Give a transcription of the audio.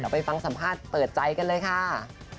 ไปฟังสัมภาษณ์เปิดใจกันเลยค่ะ